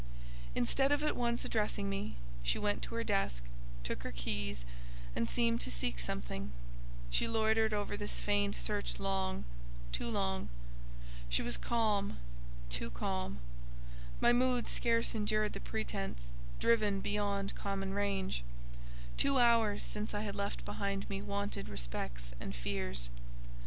Instead of at once addressing me, she went to her desk, took her keys, and seemed to seek something: she loitered over this feigned search long, too long. She was calm, too calm; my mood scarce endured the pretence; driven beyond common range, two hours since I had left behind me wonted respects and fears.